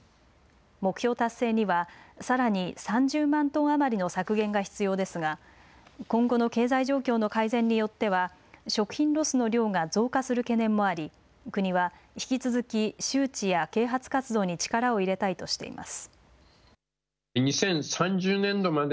目標達成にはさらに３０万トン余りの削減が必要ですが今後の経済状況の改善によっては食品ロスの量が増加する懸念もあり、国は引き続き周知や啓発活動に力を入れたいとしています。